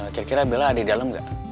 kira kira bella ada di dalam gak